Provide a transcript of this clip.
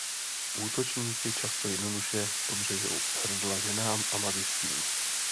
Útočníci často jednoduše podřežou hrdla ženám a mladistvým.